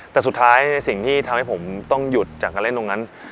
แต่สุดท้ายสิ่งที่ทำให้ผมต้องหยุดจากการเล่นตรงนั้น